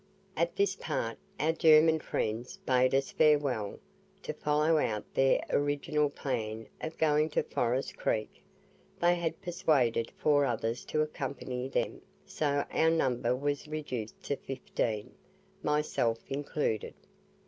At this part, our German friends bade us farewell, to follow out their original plan of going to Forest Creek; they had persuaded four others to accompany them, so our number was reduced to fifteen, myself included.